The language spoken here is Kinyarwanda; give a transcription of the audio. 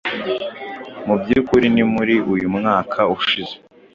Mu byukuri ni muri uyu mwaka ushize